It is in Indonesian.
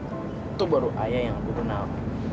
itu baru ayah yang aku kenal